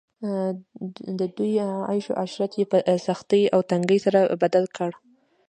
د دوی عيش عشرت ئي په سختۍ او تنګۍ سره بدل کړ